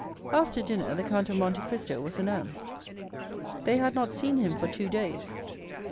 After dinner, the Count of Monte Cristo was announced. They had not seen him for two days.